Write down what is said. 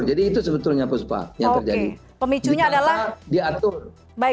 jadi itu sebetulnya pak yang terjadi